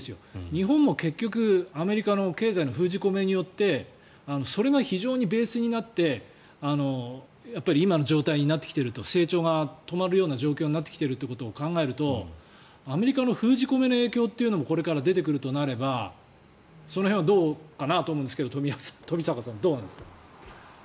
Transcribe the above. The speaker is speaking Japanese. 日本も結局アメリカの経済の封じ込めによってそれが非常にベースになって今の状態になってきていると成長が止まるような状況になってきているということを考えるとアメリカの封じ込めの影響もこれから出てくるとなればその辺はどうかなと思うんですが冨坂さん、どうなんですか？